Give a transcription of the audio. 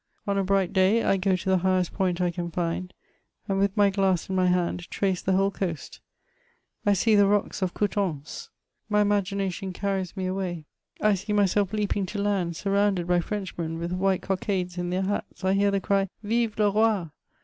On a bright day I go to the highest point I can find, and with my glass in my hand, trace the whole coast ; I see the rocks of Coutances. My imagination carries me away, I see myself leaping to land, sur^ rounded by Frenchmen with white cockades in their hats ; I hear the cry, * Vive le Roi